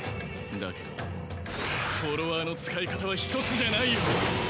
だけどフォロワーの使い方は１つじゃないよ。